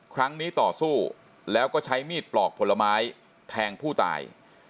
ครั้งนี้ต่อสู้แล้วก็ใช้มีดปลอกผลไม้แทงผู้ตาย